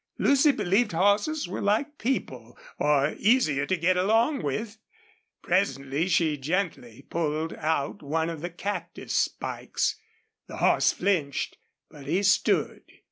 Lucy believed horses were like people, or easier to get along with. Presently she gently pulled out one of the cactus spikes. The horse flinched, but he stood.